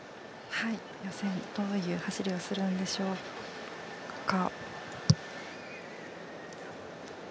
予選、どういう走りをするんでしょうか。